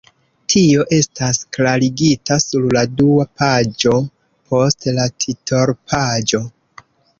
Tio estas klarigita sur la dua paĝo post la titolpaĝo.